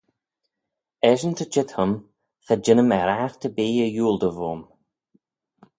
Eshyn ta çheet hym, cha jeanym er aght erbee y yiooldey voym.